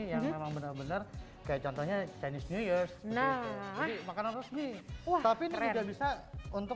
karena benar benar kayak contohnya chinese new year nah makanan resmi tapi juga bisa untuk